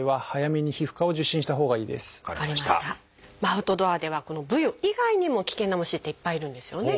アウトドアではこのブヨ以外にも危険な虫っていっぱいいるんですよね。